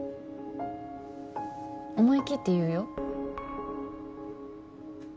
思い切って言うよ？